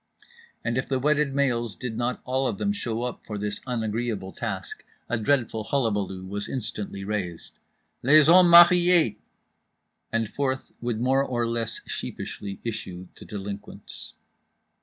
And if the wedded males did not all of them show up for this unagreeable task, a dreadful hullabaloo was instantly raised— "LES HOMMES MARIÉS!" and forth would more or less sheepishly issue the delinquents.